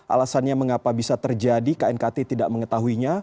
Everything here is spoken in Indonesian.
alasannya mengapa bisa terjadi knkt tidak mengetahuinya